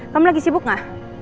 kamu lagi sibuk nggak